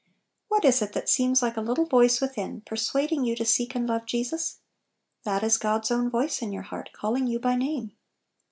What is it that seems like a little voice within, persuading you to seek and love Jesus? That is God's own voice in your heart, calling you by name